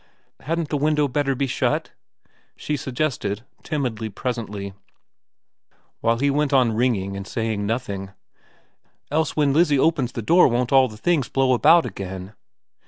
' Hadn't hadn't the window better be shut ?' she suggested timidly presently, while he still went on ringing and saying nothing ' else when Lizzie opens the door won't all the things blow about again